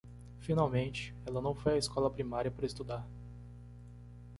Finalmente, ela não foi à escola primária para estudar.